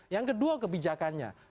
yang kedua kebijakannya